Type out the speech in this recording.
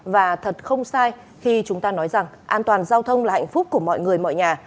và thật không sai khi chúng ta nói rằng an toàn giao thông là hạnh phúc của mọi người mọi nhà